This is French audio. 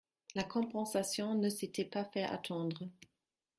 La compensation ne s'était pas fait attendre.